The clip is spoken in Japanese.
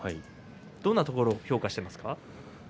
どんなところを評価していますか？